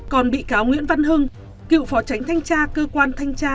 còn bị cáo nguyễn văn hưng cựu phó chánh thanh tra